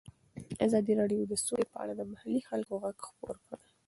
ازادي راډیو د سوله په اړه د محلي خلکو غږ خپور کړی.